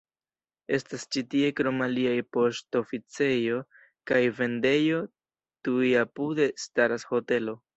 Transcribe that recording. Estas ĉi tie krom aliaj poŝtoficejo kaj vendejo, tuj apude staras hotelo.